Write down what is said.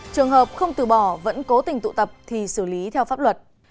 trường hợp không từ bỏ vẫn cố tình tụ tập thì xử lý theo pháp luật